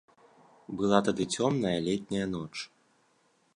Была тады цёмная летняя ноч.